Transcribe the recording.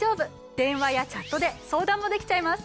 電話やチャットで相談もできちゃいます。